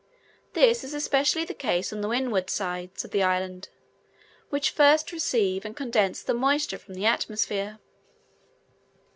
This is especially the case on the windward sides of the islands, which first receive and condense the moisture from the atmosphere.